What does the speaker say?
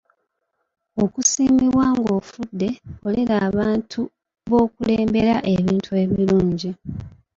Okusiimibwa ng'ofudde, kolera abantu b'okulembera ebintu ebirungi.